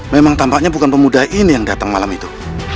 memang tampaknya bukan pemuda ini yang datang malam itu